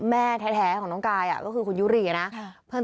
แม่แท้แท้ของน้องกายอ่ะก็คือคุณยุรีอ่ะน่ะครับเพื่อน